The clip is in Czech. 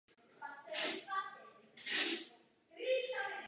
Obálka knihy je doplněna ilustrací Marko Čermáka.